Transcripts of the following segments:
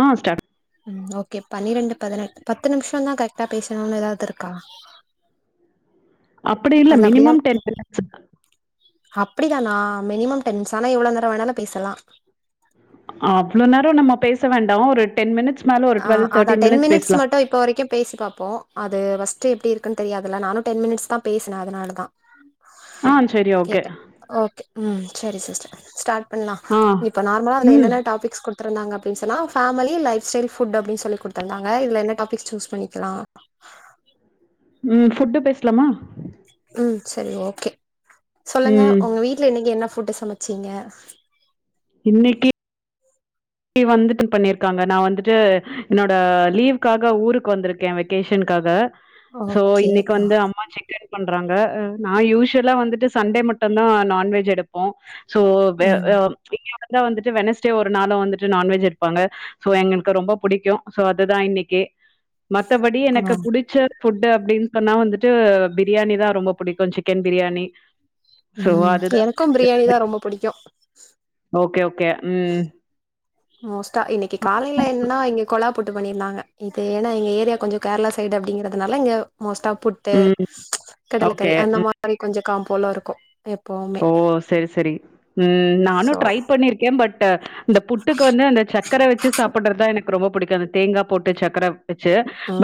ஆ start. உம் okay பனிரெண்டு பதின பத்து நிமிஷம் தான் கரெக்டா பேசணும்னு ஏதாவது இருக்கா அப்படி இல்ல மினிமம் டென் மினிட்ஸ் அப்படிதானா மினிமம் டென்மிஸ் ஆனா எவளோ நேரம் வேணாலு பேசலா அவ்வளளோ நேரம் நம்ம பேச வேண்டாம் ஒரு டென் மினிட் ஆ அதான் டென் மினிட்ஸ் மட்டும் இப்ப வரைக்கும் பேசி பாப்போம் அது ஃபஸ்ட் எப்டி இருக்குன்னு தெரியாது நானும் டென் மினிட்ஸ் தான் பேசேன் அதனால தான் ஆ சரி, ஓகே. கேட்டேன் ஓகே உம் செரி சிஸ்டர் ஸ்டார்ட் பண்ணலாம் ஆ. இப்ப நார்மலா அது ம். என்னெ டாிக்ஸ் கொடுத் இருந்தாங்க அப்டி சொன்னா ஃபேமிலி லைப் ஸ்டைல் புட் அப்டிசொல்லி குடுத்தருந்தாங்க இதுல என்ன டாபிக்ஸ் சூஸ் பண்ணிக்கலா ம் ஃபுட்டு பேசலாமா ம் செரி ஓகே சொல்லுங்க ம். உங்க வீட்டுல இன்னைக்கி என்ன போட்டு சமைச்சீங்க இன்னைக்கு வந்துட்டு பண்ணிருக்காங்க நான் வந்துட்டு என்னோட லீவக்காக ஊருக்கு வந்திருக்கேன் வெக்கேஷனுக்காக சோ ஓகே இன்னைக்கு ஆ வந்து அம்மா சிக்கன் பண் ராங்க நா யூசுவலா வந்துட்டு சண்டே மட்டும் தான் நான்வெஜ் எடுப்போம் சோ வே ம் [unintelligible] வந்துட்டு வெனஸ்டே ஒரு நாளும் வந்துட்டு நான்வெஜ் இருப்பாங்க சோ எங்களுக்கு ரொம்ப பிடிக்கிம் சோ அதுதா இன்னிக்கு மத்த படி ஆ எனக்கு புடிச்ச புட்டு் அப்டின் அன்னா வந்துட்டு பிரியாணி தான் ரொம்ப பிடிக்கும் சிக்கன் பிரியாணி சோ உம் அதுதான் எனக்கும் பிரியாணிதா ரொம்ப பிடிக்கும் ஓகே [unintelligible] கே ம் மோஸ் இன்னிக்கு காலைல என்னன்னா.. [unintelligible] கொலா போட்டு பண்ணிருலாங்க இது ஏன்னா எங்க ஏரியா கொஞ்சம் கேரளா சைடு அப்டிங்கறதுனால இங்க மோஸ்ட்டா புட்டு ம். கடலக்கறி ஓகே. அந்த மாறி கொஞ்ச காம்ப் போல இருக்கும் ஓ செரி செரி உம் சோ நானும் ட்ரை பண்ணிருக்கேன் பட் [inaudible] இந்த புட்டுக்கு வந்து அந்த சக்கர வச்சு சாப்டுறதுதா எனக்கு ரொம்ப புடிக்கும் அந்த தேங்கா போட்டு சக்கர வச்சு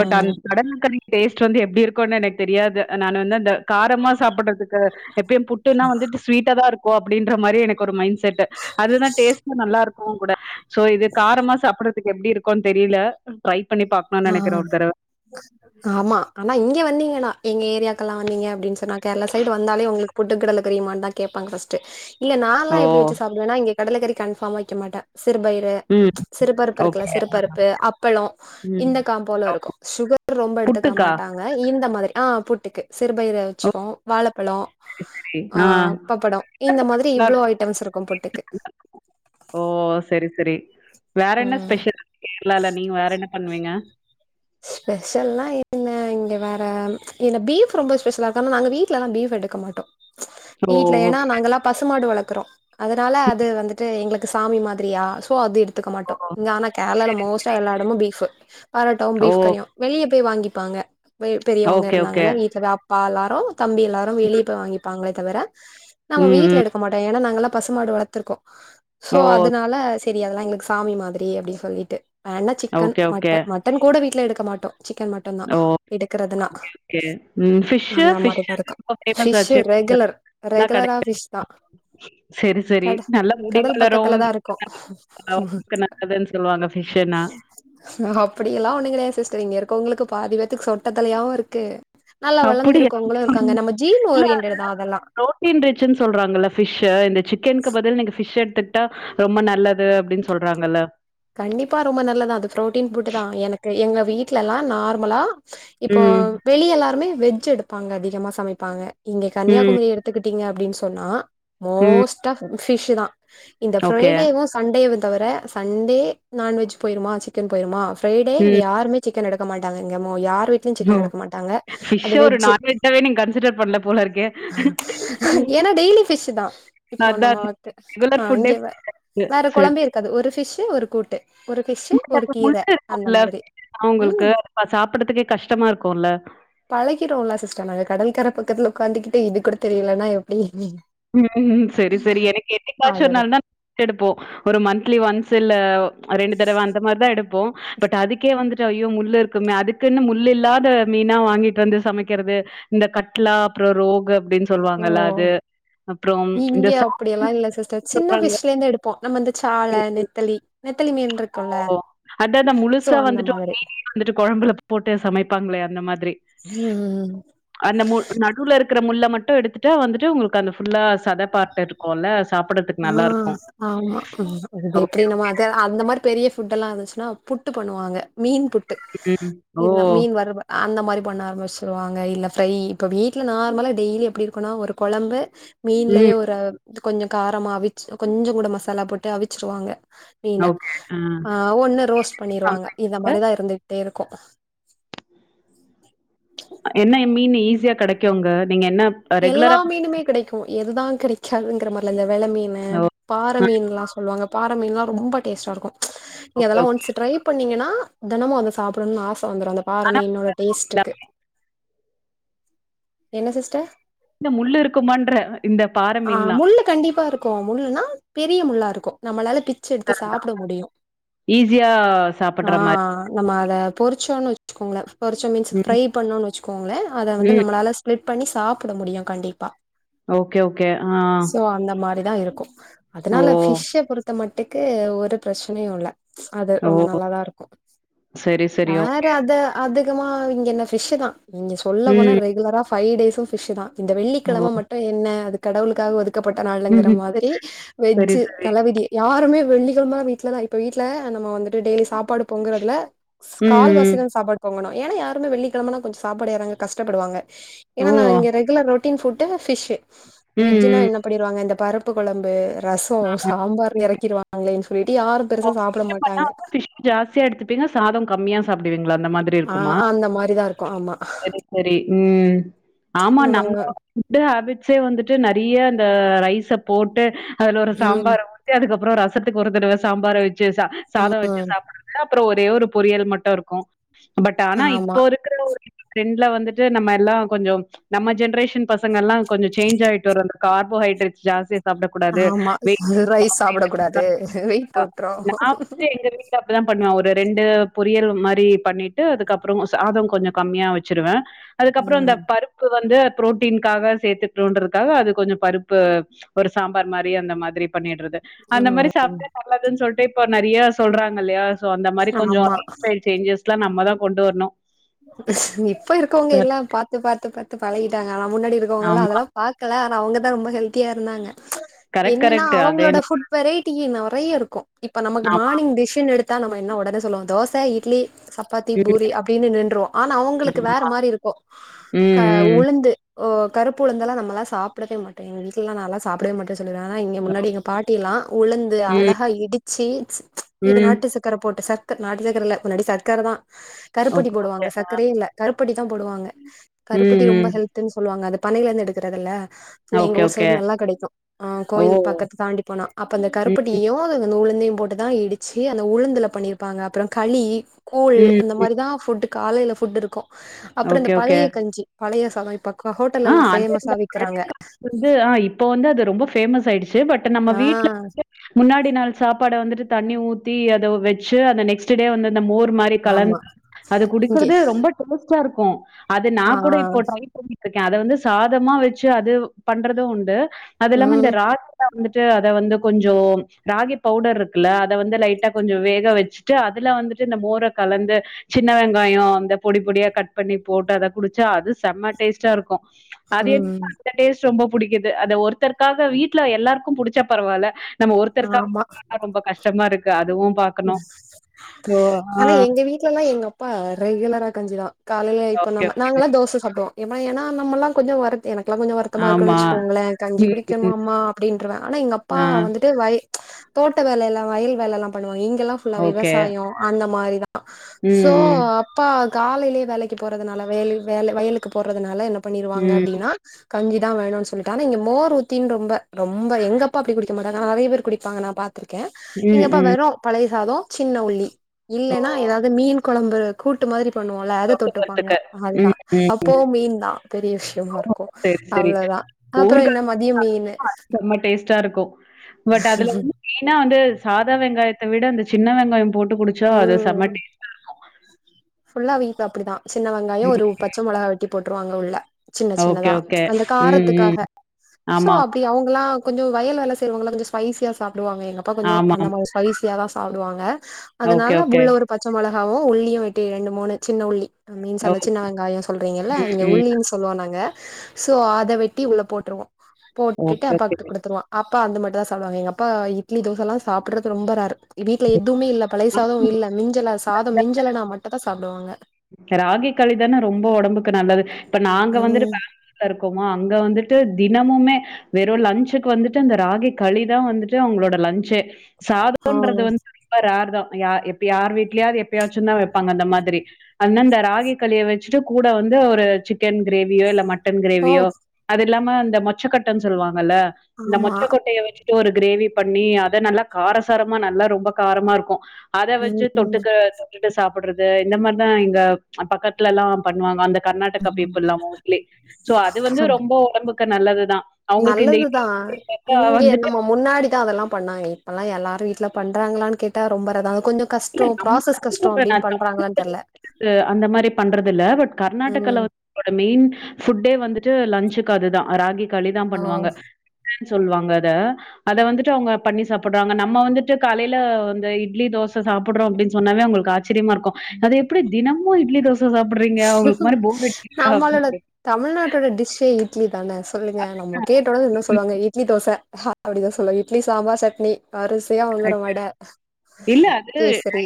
பட் அந்த கட கரிய டேஸ்ட் வந்து எப்டி இருக்குனு எனக்கு தெரியாது நானு வந்து அந்த காரமா சாப்பிடுறதுக்கு எப்ப [unintelligible] வந்துட்டு ஸ்வீட்டா தா இருக்கு ஓ அப்டின்ற மாறி எனக் ஒரு மைண்ட் செட் செட்டு அதுதான் டேஸ்ட்டு நல்லா இருக்கும் ஒங் கூட சோ இது காரமா சாப்டு எப்டி இருக்கோனு தெரில ட்ரை பண்ணி பார்க்கணும்னு ஆ நெனைக்கிறேன் ஒரு தடவ. ஆமா ஆனா இங்க வந்தீங்கன்னா எங்க ஏரியா [unintelligible] நீங்க அப்படினு சொன்னா கேரள சைடு வந்தாலே உங்களுக்கு புட்டு கிடலகரியுமானு தா கேப்பாங்க பஸ்ட்டு இல்ல நா ஓ! லாம் எப்டி வச்சு சாப்பிடுவேன்னா இங்க கடலக்கறி கன்ஃபார்ம் வைக்க மாட்டன் சிறு பயிலு ம். சிறு பருப்பு இருக்குல ஓகே. சிறு பருப்பு அப்பளோம் ம். இந்த காம் போல ஓ! இருக்கும் சுகர் ரொம்ப எடுத்துக்க புட்டுக்கா? மாட்டாங்க இந்த மாரி ஆ புட்டிக்கு சிறுபயிறு ஓ ப்போ வாழ [unintelligible] சரி, சரி. ஆ. ஆங் பப்படம் இந்த மாதிரி இவ்வளவு ஐட்டம்ஸ் இருக்கும் பொட்டுக்கு ஓ! சரி, சரி. வேற என்ன ஸ்பெஷல் கேரளால நீங்க வேற என்ன பண்ணுவீங்க ஸ்பெஷல்லா என்ன இங்க வேற என்ன பீஃப் ரொம்ப ஸ்பெஷலா இருக்கா நாங்க வீட்டுலல்லாம் பீஃப் எடுக்க மாட்டோம் [unintelligible] ஓ! வீட்ல ஏன்னா ஓகே. நாங்கலாம் பசுமாடு வளர்க் இருக்கறோம் அதனால அது வந்துட்டு எங்களுக்கு சாமி மாதிரியா சுவாதிர் ஏதுக்க ஓ! மாட்டோம் இங்க ஆனா கேரளால மோஸ்டா எல்லாடமும் பீஃப் [inaudible] பாரோட்டாவும் ஓ! பீஃப் கரியியும் வெளிய வாங்கிப்பாங்க வீட் பெரியவங்க ஓகே, ஓகே. இருந்தாங்கன்னா வீட்டுல பா எல்லாரும் தம்பி எல்லாரும் வெளிய போய் வாங்கிப்பாங்களே தவிர நம்ம ம், வீட்டுல ம். எடுக்க மாட்டோம் ஏன்னா நாங்களாம் பசுமாடு வளத்துர்க்கோம் சோ ஓ! அதுனால செரி அதெல்லாம் எங்களுக்கு சாமி மாரி அப்டி சொல்லிட்டு வேண்னா chicken okay, okay. Mutton mutton கூட வீட்டில எடுக் மாட்டோம் சிக்கன் மட்டன் தான் ஓ! எடுக்கிறதுனா ஓகே, ஓகே. ம் ஃபிஷ்ஷு? அந்த ஃபிஷ் மாரி தான் அங்க இருக்கும் ரொம்ப ஃபேமஸ் பிஷ் ஆச்சே. ரெகுலர் எல்லா ரெகுலரா கடைக்கும். பிஷ் தான் சரி, சரி. கட நல்லா முடி கடல் வளரும். பக்கத்துல தான் இருக்கோம் உடம்புக்கு நல்லதுன்னு சொல்லுவாங்க ஃபிஷ்ஷுன்னா. அப்டியெல்லாம் ஒண்ணுகெடையாது சிஸ்டர் இங்க இருக்கவுங்களுக்கு பாதிபேத்துக்கு சொட்டதலயாவும் இருக்கு நல்லா அப்படி வளர்ந்திருக்கவங்களு இருக்காங்க நம்ம ஜீன் ஓரியன்டட் தா அதெல்லா இல்லோட்டன்ச்சுன்னு [inaudible] சொல்றாங்க பிஷ்ஷ [inaudible] சிக்கனுகக்கு பதில் நீங்க பிஷ்ட் த்துட்டா ரொம்ப நல்லது அப்டின்னு சொல்றாங்கல்ல கண்டிப்பா ரொம்ப நல்லதான் அது பு்ரோட்டீன் புட்டு தான் எனக்கு எங்க வீட்லல்லாம் நார்மலா இப்போ ம் வெளி எல்லாருமே வெஜ்ஜ் எடுப்பாங்க அதி அதிகமா சமைப்பாங்க இங்க ம் கன்னியாகுமரி எடுத்துக் ங்க அப்டின்னு சொன்னா ம் மோஸ்ட் ஆப் பிஷு தான் இந்த ஓகே ஃரைடேவும் சண்டே வந் தவிர சண் அதே நான வெஜ் போயிருமா சிக்கன் போயிருமா ப்ரைடே இங்க ம் யாருமே சிக்க ங்க நடக்க மாட்டாங்கோ இங்க மோ யார் வீட்லியும் ஓ சிக்கன் எடுக்க மாட்டாங்க ஃபிஷ்ஷ அது ஒரு வெஜ்ஜூ நான்வெஜ்ஜாவே நீங்க கன்சிடர் பண்ணல போல இருக்கே ஏன டெய்லி பிஷ்ஷு தான் இப்ப அதா அந்த அதா மாரி ரெகுலர் இங்க ஃபுட்டே வேற வேற சரி குழம்பே இருக்காது ஒரு ஃபிஷ்ஷு ஒரு கூட்டு ஒரு பிஷ்ஷ ஒரு கீர முட்ட அந்த இருக்கும்ல மாரி ஃபிஷ்னா உங்களுக்கு உம் அது சாப்பிடறதுக்கே கஷ்டமா இருக்கும்ல பழகிறோம்ல சிஸ்டர் நாங்க கடல்கர ப பக்கத்துல உட்காந்துகிட்டு இது கூட தெரியலனா எப்டி ம்ம்ம் சரி சரி எனக்கு என்னைக்காச்சும் ஒரு அடடே நாள் த பிஷ் எடுப்போம் ஒரு மந்த்லி ஒன்ஸ் ல்ல ரெண்டு தடவ அந்த மாரிதான் எடுப்போம் பட் அதுக்கே வந்துட்டு ஐயோ முள்ளு இருக்குமே அதுக்குன்னு முள் இல்லாத மீனா வாங்கிட்டு வந்து சமைக்கிறது இந்த கட்லா அப்பறம் ரோகு அப்டின்னு சொல்லுவாங்கல்ல அது அப்புறம் இந்த இங்கே சால் அப்டியெல்லாம் இல்ல சிஸ்டர் சின்ன சொல்றாங்க. பிஷ்ல இருந்து எடுப் நம்ம வந்து ச்சால நெத்தலி மீன் இருக்குல்ல ஓ அதத்தா சோ முழுசா அந்த வந்துட்டு ஒரு மாதிரி மீன வந்துட்டு குழம்புல போட்டு சமைப்பாங்களே அந்த மாரி திரி ம் அந்த முள் நடுல இருக்கிற முள்ள மட்டும் எடுத்துட்டா வந்துட்டு உங்களுக்கு அந்த ஃபுல்லா சத பார்ட் இருக்கும்ல சாப்பிடறதுக்கு ஆ நல்லாருக்கும். ஆமா ஓகே, வீக்லி நம்ம ஓகே. அத அந்த மாரி பெரிய ஃபுட்டெல்லாம் இருந்துச்சுன்னா புட்டு பண்ணுவாங்க மீன் புட்டு ம். ஓ! இன மீன் வருவ அந்த மாரி பண்ண ஆரம்பிச்சுருவாங்க இல்ல ஃப்ரை இப்ப வீட்டுல நார்மலா டெய்லி எப்டி இருக்கும்னா ஒரு குழம்பு ம். மீன்லயே ஒரு கொஞ்சம் காரமா அவிச்சு கொஞ்சம் கூட மசாலா போட்டு அவிச்சிருவாங்க நீங்க ஆ ஒண்ணு ரோஸ்ட் பண்ணிருவாங்க இத மாரிதான் இருந்துகிட்டே இருக்கும் [inaudible] என்ன மீணு ஈஸியா கெடைக்கும் அங்க எல்லா மீனுமே கெடைக்கும் எதுதான் கெடைக்காதுங்கற மாரி இல்ல எவ் வெல மீனு ஓ பாற மீன்லாம் சொல்லுவாங்க பார மீன்ல்லாம் ரொம்ப டேஸ்டா இருக்கும் நீங்க ஓகே, அதெல்லாம் ஓகே. ஒன்சு ட்ரை பண்ணீங்கன்னா தினமும் அத சாப்படணும்னு ஆச வந்துரும் அந்த பாற மீனோட டேஸ்டுக்கு என்ன சிஸ்டர் இந்த முள்ளு இருக்குமான்றேன். இந்த பாறை ஆ மீன்லாம். முள்ளு கண்டிப்பா இருக்கும் முள்னா பெரிய முள்ளா இர இருக்கும் நம்மளால பி ச்ச எடுத்து அதான். சாப்பட முடியும் ஈஸியா ஆ சாப்பிடுற மாரி. நம்ம அத பொறிச்சோன்னு வச்சுக்கோங்கள பொரிச்ச மீன்ஸ் ம், ஃப்ரை பண்ணும்னு வச்சிங்களே அத வந்து ம். நம்லால ஸ்லிப் பண்ணி சாப் போட முடியும் கண்டிப்பா ஓகே ஓகே ஆ சோ அந்த மாரி தான் இருக்கும் ஓ! அதனால பிஷ்ஷ பொ மட்டுக்கு ஒரு பிரச்சனையும் இல்ல அது ஓ! ரொம்ப நல்லாதா இருக்கும் சரி, சரி. வேற ஓகே. அத அது அதிகமா இங்க என் ஃபிஷு தான் நீங்க சொல்ல போன ம். ரெகுலரா பைடேசும் விஷதா இந்த ஓ! வெள்ளிக்கிலம மட்டும் என்ன அதுக்கு கடவுளுக்காகது ப்பட்ட நாள்ங்கிற மாதிரி சரி, வெஜ் சரி. தளவீதி யாருமே வெள்ளிகம வீடலதான் இப்ப வீட்டுல நம்ம வந்துட்டு டெய்லி சாப்பாடு பொங்குறதுல ஸ்கால் ம். வாசி தா சாப்பாடு போங்கண ஏன்னா யாருமே வெள்ளிக்கிழமனா கொஞ்ச சாப்பாடுயறங்க கஷ்டப்படுவாங்க ஓ! ஆ இங்க ரெகுலர் ரோ டீன்புடூ பிஷ் ம், வெஜ்ஜுனா ம். என்ன பண்ணடுவாங்க இந்த பருப்பு குலம்பு ரசம் சாம்பார் இறக்கிடுவாங்க ஆன்லைன் பிஷ் ஜாஸ்தியா எடுத்துப்பீங்க சாதம் கமியா சாப்டுவீங்களா அந்த மாரி ஆ அந்த மாரி தான் இருக்கும். ஆமா. செரி செரி உம் ஆமா நம்ம நம்மளோட ட்டு ஹேபிட்ஸே வந்துட்டு நெறைய இந்த ரைஸ் போட்டு அதுல ஒரு ம் சாம்பார் ஊத்தி அதுக்கு அப்பறம் ரசத்துக்கு ஒரு தடவ சாம்பார வச்சு சா ம் சாதம் வச்சு சாப்படுறது அப்பறம் ஒரே ஒரு பொரியல் மட்டும் இருக்கும் பட் ஆனா ஆமா இப்போ இருக்கிற ஒரு ட்ரெண்ட்ல வந்துட்டு நம்ம எல்லாம் கொஞ்சம் நம்ம ஜென்ரேஷன் பசங்க எல்லாம் கொஞ்சம் சேஞ் ஆயிட்டு வந்த கார் ஓ ஹைட்ரேட் ஜாஸ்தியா சாப்படக்கூடாது ஆமா ரைஸ் சாப்ட கூடாது வெயிட் போட்ரு [unintelligible] வந்து எங்க வீட்டு அப்படி பண்ணுவேன் ஒரு ரெண்டு பொரியல் மாரி பண்ணிட்டு அதுக்கப்பறம் சாதம் கொஞ்சம் கம்மியா வச்சிருவேன் அதுக்கப்பறம் இந்த ம் பருப்பு வந்து பு்ரோட்டீனாக சேர்த்துக்கட்டுன்றதுக்காக அது கொஞ்சம் பருப்பு ஒரு சாம்பார் மாரி அந்த மாரி பண்ணிடுறது அந்த மாரி ம் சாப்பட்டு நல்லதுன்னு சொல்லிட்டு இப்ப நெறைய சொல்றாங்க இல்லயா சோ அந்த மாதிரி கொஞ்ச ஆமா லைப் ஸ்டைல் சேஞ்சஸ் எல்லாம் நம்ம தான் கொண்டு வரணும் இப்ப இருக்கவங்க சரி. எல்லாம் பாத்து பாத்து பன் பழையிடா நா முன்னாடி இருக்கவங்க ஆமா. அதெல்லாம் பாக்கல ஆன அவங்க ரொம்ப ஹல்த்தியா இருந்தாங்க கரெக்ட், என்னன்னா கரெக்ட். அது அவங்களோட என்ன புட் வெரைட்டின நெறைய இருக்கும் இப்ப நமக்கு ஆமா. மார்னிங் டிஷன் எடுத்து தான் நம்ம உடனே சொல்லோம் தோச இட்லி சப்பாத்தி ம். பூரி அப்டின்னு நின் ஆனா அவங்களுக்கு வேற ஆமா. மாரி இருக்கும் ம், ம். உளுந்து ஓ கருப்புழுந்து தெல்லாம் நம்மல்லா சாப்படவே வீட்டுட்ட நல்லா சாப்படவே மாட்டேன் ஆனா இங்க முன்னாடி எல்லாம் பாட்டி எல்லாம் உழுந்து ம், அழகா இடித்து செரிச் இது ம். நாட்டு சக்கர போட்டு சார் நாட்டு சக்கர இல்ல முன்னாடி சச்கர தான் நோஹோ அங்க சர்க்கரையே இல்ல கருப்ப இப்படித்தான் போடுவாங்க ம், கருப்பட்டி ம். ரொம்ப ஹெல்தன்னு சொல்லுவாங்க அது பனையில இருந்து எடுக்கறதல்ல எங்க ஓகே, ஊர் ஓகே. சைடு நல்லா கெடைக்கும் ஓ! கோயில் பக்கத்த தாண்டி போனா அப்ப அந்த ம். கருப்பட்டியயும் அது உள்ள உளூந்தையும் போட்டுதான் இடிச்சு அந்த உளுந்துல பண்ணிருப்பாங்க அப்புறம் களி கூல் ம், அந்த ம். மாரி தான் ஃப்ட் காலையில ஃப்ட் இருக்கும் அப்புறம் இந்த ஓகே, ஓகே. பழைய கஞ்சி பழைய சாதம் இப்ப ஹோட்டல்ல ஆ எல்லாம் அது இந்த பேமஸா பழைய விக்கிறாங்க காலத்துல சோ பட் நம்ம ஆ வீட்டல முன்னாடி இரண்டு நாள் சாப்பாடை வந்துட்டு தண்ணி ஊத்தி அதை வச்சு அந்த நெக்ஸ்ட் டே வந்துட்டு இந்த மோர் மாதிரி ஆமா கலந்து அது இங்கே குடிக்கிறது ரொம்ப டோமஸ்ட் பிசியா இருக்கும் அது நா ஆ கூட இப்போ ட்ரை பண்ணினேன் இருக்கேன் அதை வந்து சாதமா வச்சு அது பண்றதும் உண்டு அது இல்லாம இந்த ம் ராஸ் தாப் வந்துட்டு அதை வந்து கொஞ்சம் ராகி பவுடர் இருக்குல்ல அத வந்து லைட்டா கொஞ்சம் வேக வச்சுட்டு அதுல வந்துட்டு இந்த மோரை கலந்து சின்ன வெங்காயம் அந்த பொடி பொடியா கட் பண்ணி போட்டு அத குடிச்சா அது செம்மை டேஸ்ட்டா இருக்கும் அது என்ன ம் அந்த டேஸ் ரொம்ப புடிக்குது அத ஒருத்தருக்காக வீட்டுல எல்லாருக்கும் புடிச்ச பரவாயில் நம்ம ஒருத்தருக்காகா ஆமா ரொம்ப கஷ்டமா இருக்கு அதுவும் பாக்கணும். ஓ! ஆ. ஆனா எங்க வீட்ல எல்லாம் எங்க அப்பா ரெகுலரா கஞ்சிதான் காலைய இப்போ ஓகே. நம்ம நாங்களல்லாம்தோச சாப்டுவோம் எப்ப ஏன்னா நம்மல்லாம் கொஞ்சம் ஓர்வுக்கு எனக்குெல்லாம் கொஞ்சம் வருத்தமா இருக்குன்னு ஆமா. வச்சுக்கோங்களேன் கஞ்சி ம், குடிங்க மாமா ம். அமா அப்டின்றுவேன் ஆனா எங்க அப்பா ஆ வந்துட்டு வய தோட்ட வேல எல்லாம் வயல் வேல எல்லாம் பண்ணுவாங்க ஃபுல்லா ஓகே. விவசாயம் அந்த மாதிரி சோ ம், அப்பா காலையிலயே வேலைக்கு போறதுனால வேலை வயலுக்கு போறதுனால என பண்ணிருவாங்க ம். அப்டின்னா கஞ்சிதான் வேணும்னு சொல்லிட்டு ஆனாங்க மோர் ஊத்தின்னு ரொம்ப ரொம்ப எங்க அப்பா குடி மாட்டாங்க நிறைய பேர் குடிப்பாங்க நான் பா இருக்கே ம், இங்க ம். பலய சாதோம் சின்ன உள்ளி ஓ! இல்லன்னா ஏதாவது மீன் குழம்பு கூட்டு மாரி பண்ணுவோம்ல்ல ஏத தொட்டுப்பாங்க தொட்டுக்கறதுக்கு. அதுதான் ம், ம். அப்போ மீன் தான் பெரிய விஷயமா ஓ! இருக்கோம் சரி, சரி. அவ்வளவுதான் அப்பறம் என்ன ஊறுகாய் மதியம் மீன் செம்ம டேஸ்ட்டா இருக்கும். சின்ன வெங்காயத்த வெ விட அந்த சின்ன வெங்காயம் போட் குடிச்ச அத செம இருக்கோம் வீ அப்டிதா சின்ன வெங்காயம் ம். ஒரு பச்ச மிளகா வெட்டி போட்டு ருவாங்க உள்ள சின்ன ஓகே, சின்னதா ஓகே. அந்த ம், ம். காரத்துக்காக சோ ஆமாமா. அப்டி அவங்கல்லாம் கொஞ்சம் வயல் செய்வாங்க ஸ்பைசியா சாப் டுவாங்க எங்கப்பா கொஞ்சம் அந்த ஆமாமா. மார சரிசியான் சொல்லுவாங்க ஓகே, அதனால ஓகே. உள்ள ஒரு பச்ச மிளக ஓ உள்ளியும் வ எ ரெண்டு மூன்னு சின்ன உள்ளி மீன்ஸ் ஓ! அந்த சின்ன வெங்காயம் சொல்றீங்க இல்ல ம், இங்க ம். உள்ளின்னு சொல்லுவோம் நாங்க சொ அத வெட்டி உள்ள போட்டுருவோம் போட்டுட்டு ஓகே, அப்பா ஓகே. கொடுத்துருவோன் அப்பா அந்த மாரி சாப்படுாங்க அப்பா இட்லி தோசைல்லாம் சாப்படுறது ரொம்ப வீட்டல எடி இப்மே இல்ல பலியசாதும் இல்ல மிஞ்சலாச சாதம் மிஞ்சலனா மட் தான் சாப்படுவாங்க ராகி களிதானே ரொம்ப உடம்புக்கு நல்லது ப்ப நாங்க வந்துட்டு ம். பெங்களூர் இருக்கோம் அங்க வந்துட்டு தினமுமே வெறும் லஞ்சுக்கு வந்துட்டு அந்த ராகி களி தான் வந்துட்டு அவங்களோட லஞ்சே ஆ. சாதம்ன்றது வந்து ரொம்ப ரர் தான் யா எப்ய யார் வீடலயாவது எப்யாச்சும்ந்தான் வைாங்க அந்த மாரி அனா இந்த ராகி களிய வச்சுட்டு கூட வந்து ஒரு சிக்கன் கிரேவியோ இல்ல மட்ட மட்டன் ஓ! கிரேவியோ அது இல்லாம இந்த மொச்சகொட்ட சொல்லுவாங்க இந்த ஆமா. மொச்சகொட்டைய வச்சுட்டு ஒரு கிரேவி பண்ணி அத நல்லா காரசாரமா நல்லா ரொம்ப காரமா இருக்கும் அத வச்சு ம். தொட்டுக்க போடுறது இந்த மாரி நான இங்க பக்கத்துல எல்லாம் பண்ணுவாங்க அந்த கர்நாடகா பீப்புள்ல்லாம் ஓகே சோ அது வந்து ரொம்ப உடம்புக்கு நல்லதுதான் அவங்களுக்கு இந்த நல்லதுதான் இங்க வந்துட்டு நம்ம பண்றாங்களானு கேட்டா ரொம்பள இல்ல நம்ம பண்றாங்களான்னு தெர்ல அந்த மாதிரி பண்றது இல்ல பட் ம் கர்நாடகலந்து மெயின் புட்டே வந்துட்டு லன்சு அதுதான் ராகி களிதான் ஆ பண்ணுவாங்க சொல்லுவாங்க அத அத வந்துட்டு அவங்க பண்ணி சாப்படுறாங்க நம்ம வந்துட்டு காலையில வந்து இட்லி தோச சாப்படறோம் அப்டின்னு சொன்னாவே உங்களுக்கு ஆச்சரியமா இருக்கும் அது எப்டி தினமும் இட்லி தோச சாப்புட்றீங்க உங்களுக்கு மாரி போர் அடிக்கலயா நம்மளோட அப்டின் கேக்குறாங்க தமிழ்நாட்டோட டிஷ்ஷே நானே சொல்லுங்க நம்ம கேட்ட உடனது இன்ன சொல்லுவாங்க இட்லி தோச அப்படிதான் சொல்வோ இட்லி சாம்பார் சட்னி வரிசையா வந்துரும் வட இல்ல அது கேசரி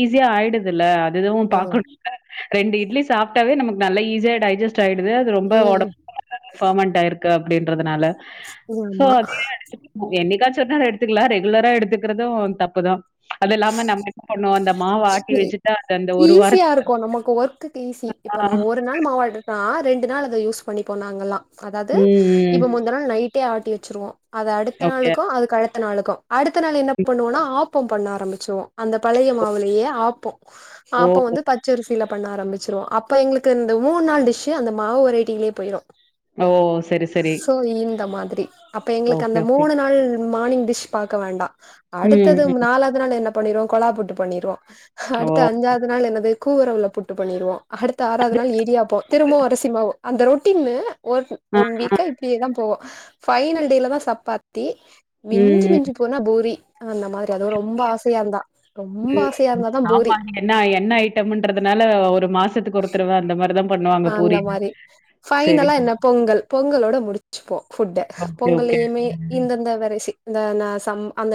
ஈஸியா ஆயடுது இல்ல அது எதுவும் ம் பாக்கணும் இல்ல ரெண்டு இட்லி சாப்பட்டாவே நமக்கு நல்ல ஈஸியா டைஜெட் ஆயிது அது ரொம்ப ம் உடம்பர்மெண்ட் ஆயிருக்கு இருக்கு அப்டின்றதுனால சோ அதுயே எடுத்து என்னைக்காச்சி ஒரு நாள் எடுத்துக்கலாம் ரெகுலரா எடுத்துக்கிறதும் தப்புதான் ஆட்டி வச்சுட்டா, அது அந்த ஒரு ஈஸியா வாரத்துக்கு வந்து இருக்கும் நமக்கு ஒர்க்குக்கு ஈஸி ஆ இப்ப நம்ம ஒரு நாள் மாவட்டக்கா ரெண்டு நாள் அத யூஸ் பண்ணி போனாங்கல்லாம் அதாவது ம், ம். இப்ப முந்த நாள் நைட் நைடே ஆட்டி வச்சுருவோம் அது அடுத்த ஓகே. நாளுக்கும் அ அடுத்த நாளுக்கு அடுத்த நாள் என்ன ம். பண்ணுவம்னா ஆப் ஓப்பன் பண்ணா ஆரம்பிச்சோம் அந்த பழைய மாவுலயே ஆப்போம் ஓ! அப்பம் வந்து பச்சரிசி பண்ண ஆரம்பிச்சிருவோம் அப்போ எளுக்கு இந்த மூணு நாள் டிஷ் அந்த மாவு வெரைட்டிலே போயிடும் ஓ செரி செரி [inaudible] அப்ப எங்களுக்கு அந்த மூணு நாள் மார்னிங் டிஷ் பாக்க வேண்டாம் ம், அடுத்தது ம். நால என்ன பண்ணடுவோம் கொலா புட்டு பண்ணிவோம் ஓ! அடுத்த அஞ்சாவது நாள் என்னாது கூவரவுல புட்டு பண்ணிடுவோம் அடுத்து ஆறாவது நாள் ஏரியாப்போம் திரும்பவும் அரிசிமாவும் அந்த ரொட்டின்னு ஒ ஆ. ஒன் வீக்கா இப்டியேதான் போவும் ஃபைனல் டேலதான் சப்பாத்தி மிஞ்சி மிஞ்சி போனா பூரி அந்த மாரி ஆசையா இருந்தாதா பூரி ஆமா என்ன என்ன ஐட்டம்ன்றதுனால ஒரு மாசத்துக்கு ஒரு தடவ அந்த மாரிதான் அந்த மாரி ஃபைனலா என்ன பொங்கல் பொங்கலோட முடிச்சுப்போம் ஃபுட்டு ஓகே, ஓகே. பொங்கலயுமே ம். இந்தந்த வரசி இந்த ச அந்த